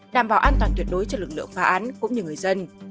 đảm bảo an toàn tuyệt đối cho lực lượng phá án cũng như người dân